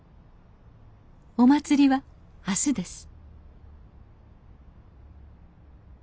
お祭りは明日です